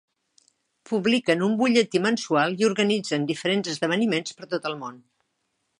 Publiquen un butlletí mensual i organitzen diferents esdeveniments per tot el món.